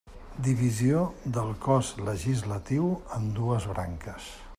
Divisió del cos legislatiu en dues branques.